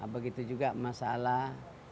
begitu juga masalah